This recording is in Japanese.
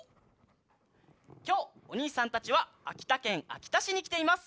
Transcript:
きょうおにいさんたちはあきたけんあきたしにきています。